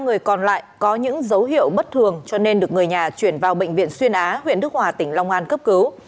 ba người còn lại có những dấu hiệu bất thường cho nên được người nhà chuyển vào bệnh viện xuyên á huyện đức hòa tỉnh long an cấp cứu